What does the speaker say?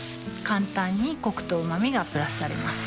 簡単にコクとうま味がプラスされます